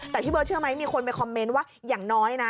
แต่เชื่อมั้ยมีคนไว้คอมเมนต์ว่าอย่างน้อยนะ